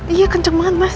iya kenceng banget mas